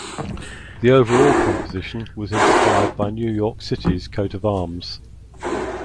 The overall composition was inspired by New York City's coat of arms.